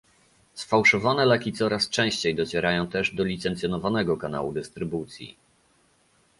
Sfałszowane leki coraz częściej docierają też do licencjonowanego kanału dystrybucji